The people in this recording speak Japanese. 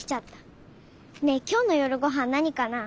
ねえきょうの夜ごはん何かな？